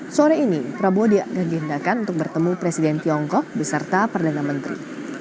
sore ini prabowo diagendakan untuk bertemu presiden tiongkok beserta perdana menteri